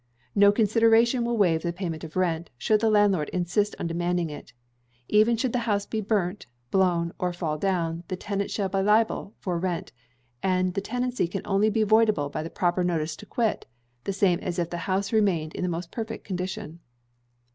No consideration will waive the payment of the rent, should the landlord insist on demanding it. Even should the house be burnt, blown, or fall down, the tenant is still liable for rent; and the tenancy can only be voidable by the proper notice to quit, the same as if the house remained in the most perfect condition.